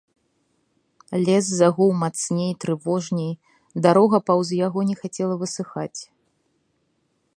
Лес загуў мацней і трывожней, дарога паўз яго не хацела высыхаць.